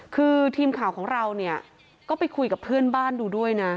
คือทีมข่าวของเราเนี่ยก็ไปคุยกับเพื่อนบ้านดูด้วยนะ